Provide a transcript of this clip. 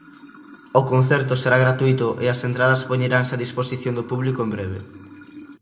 O concerto será gratuíto e as entradas poñeranse a disposición do público en breve.